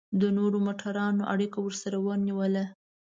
د نورو موټرانو اړیکه ورسره ونیوله.